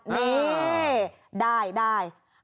นี่ได้